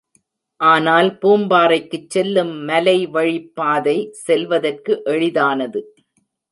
ஆனால் பூம்பாறைக்குச் செல்லும் மலைவழிப்பாதை செல்லுவதற்கு எளிதானது.